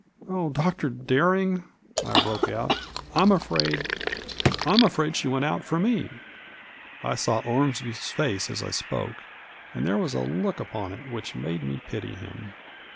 " Oh, Dr. Bering 1 " I broke out, "I'm afraid— I'm afraid she went for me !" I saw Ormsby's face as I spoke, and there was a look upon it which made me pity him.